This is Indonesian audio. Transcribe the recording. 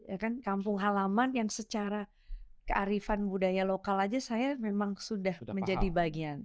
ya kan kampung halaman yang secara kearifan budaya lokal aja saya memang sudah menjadi bagian